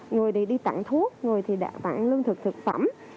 người thì đi tặng thuốc người thì tặng lương thực thực phẩm